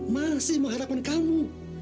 masih mengharapkan kamu